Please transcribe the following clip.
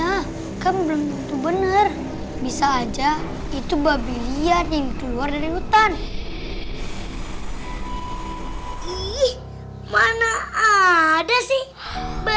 aku lupa siapa hospital jakim